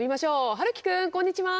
はるきくんこんにちは！